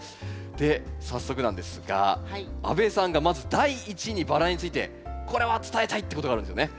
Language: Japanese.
で早速なんですが阿部さんがまず第一にバラについてこれは伝えたいってことがあるんですよね？